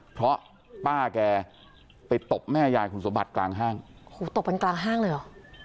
เพราะป้าแกไปตบแม่ยายคุณสมบัติกลางห้างโอ้โหตบกันกลางห้างเลยเหรอ